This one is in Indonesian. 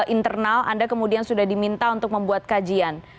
internal anda kemudian sudah diminta untuk membuat kajian